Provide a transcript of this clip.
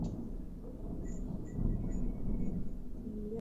Baadhi ya vyombo vya habari vimeripoti kwamba anaongoza mashambulizi mapya.